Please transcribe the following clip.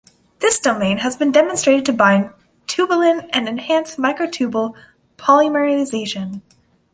This domain has been demonstrated to bind tubulin and enhance microtubule polymerization.